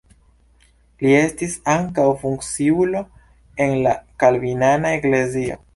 Li estis ankaŭ funkciulo en la kalvinana eklezio.